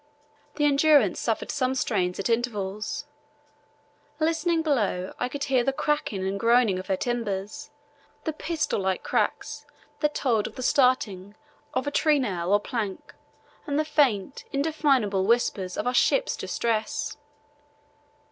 The Endurance suffered some strains at intervals. Listening below, I could hear the creaking and groaning of her timbers, the pistol like cracks that told of the starting of a trenail or plank, and the faint, indefinable whispers of our ship's distress.